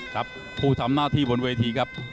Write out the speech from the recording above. ครับผู้ทำหน้าที่บนเวทีครับ